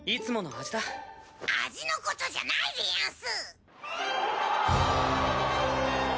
味のことじゃないでヤンス！